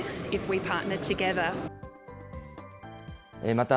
また、